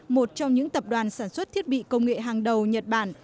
một trong những tập đoàn sản xuất thiết bị công nghệ hàng đầu nhật bản